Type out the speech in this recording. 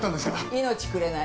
「命くれない」。